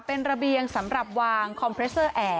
เป็นระเบียงสำหรับวางคอมเพรสเตอร์แอร์